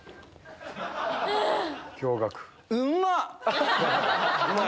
うんまっ！